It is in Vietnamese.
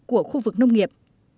của khu vực nông nghiệp